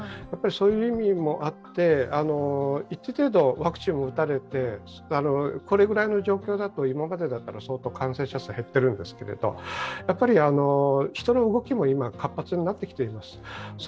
そういう意味もあって、一定程度、ワクチンも打たれて、このくらいの状況だと今までだったら相当感染者数は減っているんですけれども、やはり人の動きも今、活発になってきています。